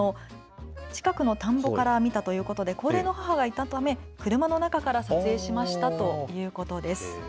近くの田んぼから見たということでこれも母がいたということで車の中から撮影しましたということです。